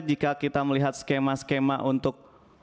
jika kita melihat skema skema untuk